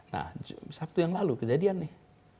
nah sabtu yang lalu kejadian nih